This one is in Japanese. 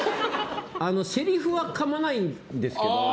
せりふはかまないんですけど。